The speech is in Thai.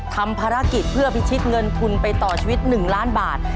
ทำภารกิจเพื่อพิชิตเงินทุนไปต่อชีวิต๑ล้านบาท